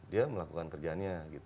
dia melakukan kerjaannya